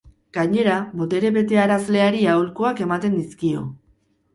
Gainera, botere betearazleari aholkuak ematen dizkio.